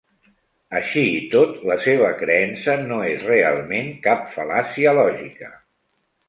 Així i tot, la seva creença no és realment cap fal·làcia lògica.